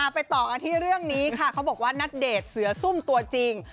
ไปต่อกันที่เรื่องนี้ค่ะเขาบอกว่าณเดชน์เสือซุ่มตัวจริง